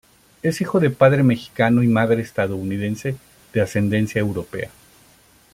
Es hijo de padre mexicano y madre estadounidense de ascendencia europea.